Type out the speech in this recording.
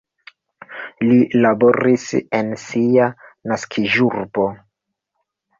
Li laboris en sia naskiĝurbo.